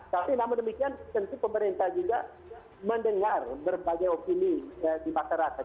tapi namun demikian tentu pemerintah juga mendengar berbagai opini di masyarakat